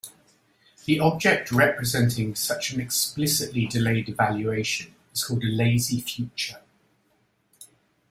The object representing such an explicitly delayed evaluation is called a lazy future.